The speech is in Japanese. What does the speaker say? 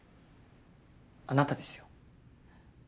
あなたですよ。